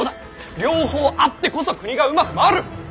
両方あってこそ国がうまく回る。